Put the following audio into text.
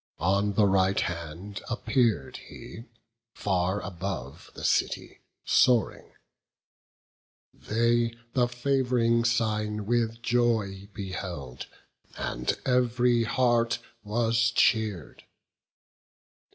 On the right hand appear'd he, far above The city soaring; they the fav'ring sign With joy beheld, and ev'ry heart was cheer'd.